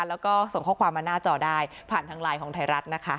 แล้วก็ส่งข้อความมาหน้าจอได้ผ่านทางไลน์ของไทยรัฐนะคะ